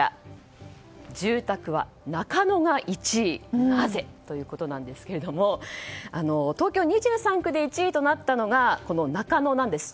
住宅は中野が１位なぜということですが東京２３区で１位となったのがこの中野です。